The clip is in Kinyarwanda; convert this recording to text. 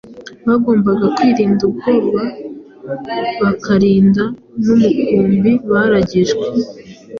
Bagomba kwirinda ubwabo bakarinda n’umukumbi baragijwe.